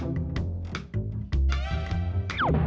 kamu jahat mu